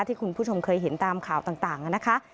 ที่คุณผู้ชมเคยเห็นตามข่าวต่างนะคะ